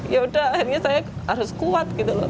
ya udah akhirnya saya harus kuat gitu loh